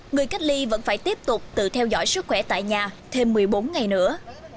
người cách ly vẫn phải tiếp tục tự theo dõi sức khỏe tại nhà thêm một mươi bốn ngày nữa